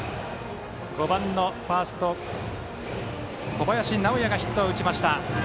５番のファースト、小林直也がヒットを打ちました。